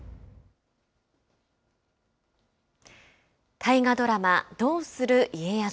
大河ドラマ、どうする家康。